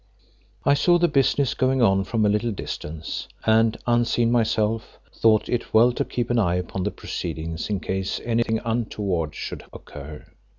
I saw the business going on from a little distance, and, unseen myself, thought it well to keep an eye upon the proceedings in case anything untoward should occur.